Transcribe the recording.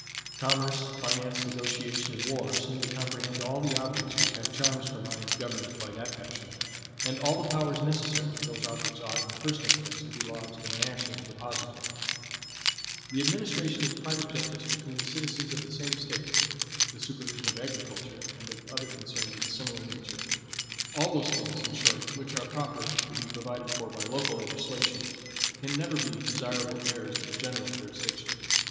Commerce, finance, negotiation, and war seem to comprehend all the objects which have charms for minds governed by that passion; and all the powers necessary to those objects ought, in the first instance, to be lodged in the national depository. The administration of private justice between the citizens of the same State, the supervision of agriculture and of other concerns of a similar nature, all those things, in short, which are proper to be provided for by local legislation, can never be desirable cares of a general jurisdiction.